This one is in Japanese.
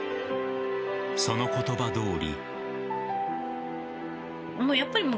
その言葉どおり。